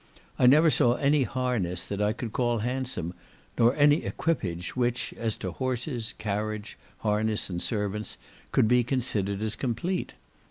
I never saw any harness that I could call handsome, nor any equipage which, as to horses, carriage, harness, and servants, could be considered as complete.